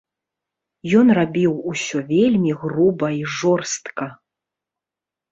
Ён рабіў усё вельмі груба і жорстка.